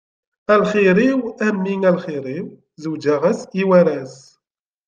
A lxir-iw a mmi a lxir-iw, zewǧeɣ-as i waras.